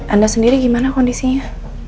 anda sendiri gimana kondisinya